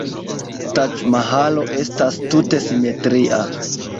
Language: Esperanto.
Taĝ-Mahalo estas tute simetria.